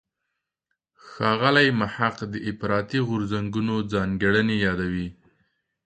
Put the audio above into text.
ښاغلی محق د افراطي غورځنګونو ځانګړنې یادوي.